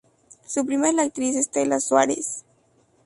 Su prima es la actriz Stella Suárez, Jr.